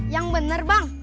yang bener bang